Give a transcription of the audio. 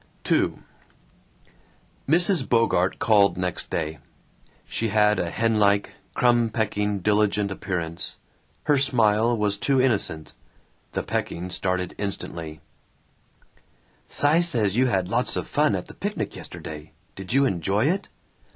II Mrs. Bogart called next day. She had a hen like, crumb pecking, diligent appearance. Her smile was too innocent. The pecking started instantly: "Cy says you had lots of fun at the picnic yesterday. Did you enjoy it?"